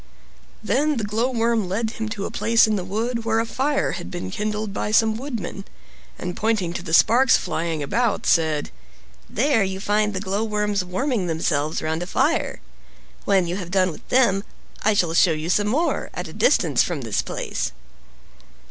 Then the Glowworm led him to a place in the wood where a fire had been kindled by some woodmen, and pointing to the sparks flying about, said, "There you find the glowworms warming themselves round a fire. When you have done with them I shall show you some more, at a distance from this place."